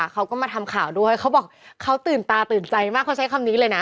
เขาก็มาทำข่าวด้วยเขาบอกเขาตื่นตาตื่นใจมากเขาใช้คำนี้เลยนะ